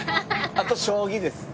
あと将棋です。